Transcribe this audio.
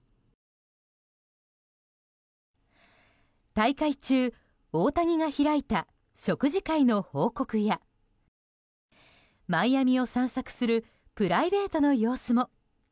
大会中、大谷が開いた食事会の報告やマイアミを散策するプライベートの様子も。